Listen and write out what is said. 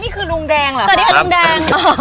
นี่คือลุงแดงเหรอ